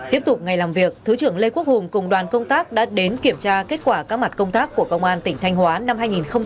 tiếp tục ngày làm việc thứ trưởng lê quốc hùng cùng đoàn công tác đã đến kiểm tra kết quả các mặt công tác của công an tỉnh thanh hóa năm hai nghìn hai mươi ba